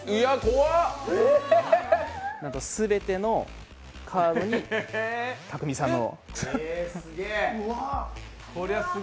なんと全てのカードに匠海さんの。